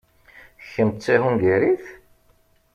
Kemm d tahungarit?